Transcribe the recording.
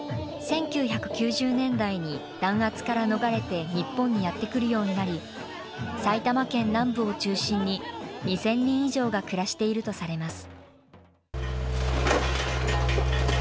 １９９０年代に弾圧から逃れて日本にやって来るようになり、埼玉県南部を中心に、２０００人以上が暮らしているとされます。